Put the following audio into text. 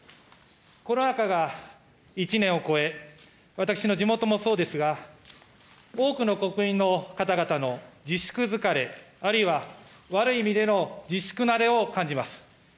コロナ禍が１年を超え、私の地元もそうですが、多くの国民の方々の自粛疲れ、あるいは悪い意味での自粛慣れを感じます。